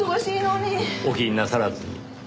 お気になさらずに。